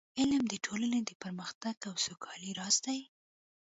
علم د ټولنې د پرمختګ او سوکالۍ راز دی.